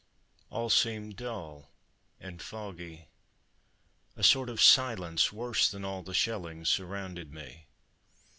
All seemed dull and foggy; a sort of silence, worse than all the shelling, surrounded me.